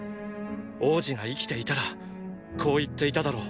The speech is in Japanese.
王子が生きていたらこう言っていただろう。